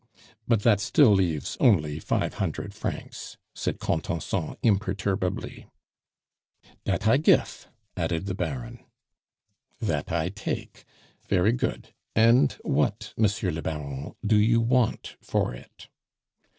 "But that still leaves only five hundred francs," said Contenson imperturbably. "Dat I gif," added the Baron. "That I take. Very good; and what, Monsieur le Baron, do you want for it?"